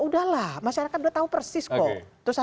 udahlah masyarakat udah tahu persis kok